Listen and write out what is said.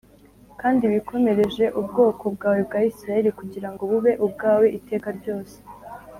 Kandi wikomereje ubwoko bwawe bwa Isirayeli kugira ngo bube ubwawe iteka ryose